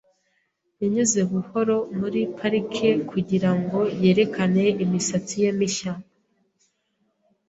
Yanyuze buhoro muri parike kugirango yerekane imisatsi ye mishya.